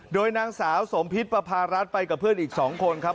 โดยนางสาวสมพิษประพารัฐไปกับเพื่อนอีก๒คนครับ